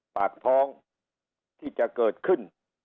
ปากท้องที่จะเกิดขึ้น